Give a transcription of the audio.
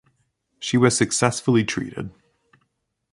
She was successfully treated.